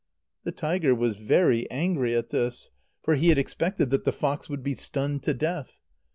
The tiger was very angry at this; for he had expected that the fox would be stunned to death.